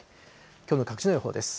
きょうの各地の予報です。